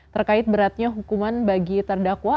terkait beratnya hukuman bagi terdakwa